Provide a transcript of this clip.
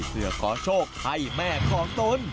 เพื่อขอโชคให้แม่ของตน